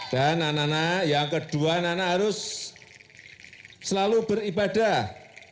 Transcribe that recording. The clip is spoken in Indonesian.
dan anak anak yang kedua anak anak harus selalu beribadah